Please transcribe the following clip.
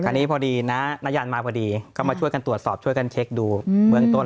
อันนี้พอดีนะนายันมาพอดีก็มาช่วยกันตรวจสอบช่วยกันเช็คดูเมืองต้น